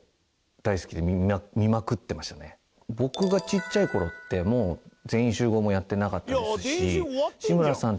僕がちっちゃい頃ってもう『全員集合』もやってなかったですし志村さん